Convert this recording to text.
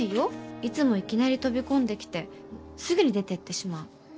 いつもいきなり飛び込んできてすぐに出てってしまう。